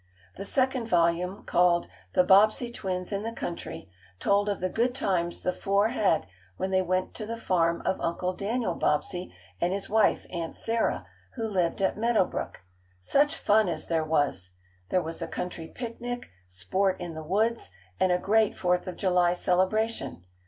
The second volume, called "The Bobbsey Twins in the Country," told of the good times the four had when they went to the farm of Uncle Daniel Bobbsey and his wife, Aunt Sarah, who lived at Meadow Brook. Such fun as there was! There was a country picnic, sport in the woods, and a great Fourth of July celebration.